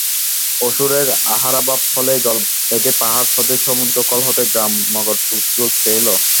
অসুরের আহারাভাব হলেই দল বেঁধে পাহাড় হতে, সমুদ্রকূল হতে গ্রাম নগর লুঠতে এল।